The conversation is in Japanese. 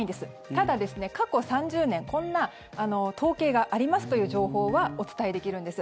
ただ、過去３０年こんな統計がありますという情報は、お伝えできるんです。